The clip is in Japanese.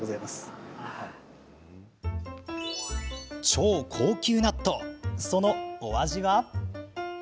超高級納豆、そのお味は。